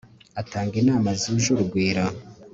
atanga inama zuje urugwiro